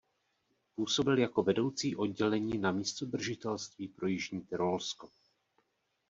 Působil jako vedoucí oddělení na místodržitelství pro jižní Tyrolsko.